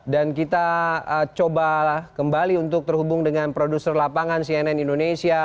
dan kita coba kembali untuk terhubung dengan produser lapangan cnn indonesia